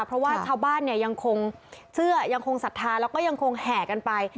เพราะว่าชาวบ้านเนี่ยยังคงเชื่อยังคงศรัทธาแล้วก็ยังคงแห่กันไป